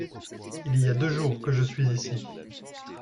Il y a deux jours que je suis ici.